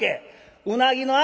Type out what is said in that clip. うなぎの頭